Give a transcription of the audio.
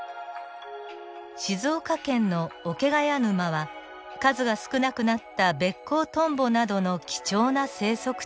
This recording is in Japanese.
静岡県の桶ヶ谷沼は数が少なくなったベッコウトンボなどの貴重な生息地です。